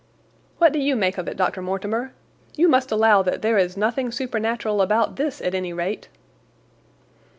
"What do you make of it, Dr. Mortimer? You must allow that there is nothing supernatural about this, at any rate?"